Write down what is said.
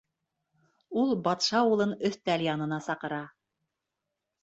Ул батша улын өҫтәл янына саҡыра.